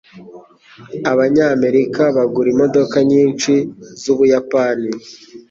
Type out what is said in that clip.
Abanyamerika bagura imodoka nyinshi zUbuyapani.